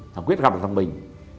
thằng quyết gặp là thằng bình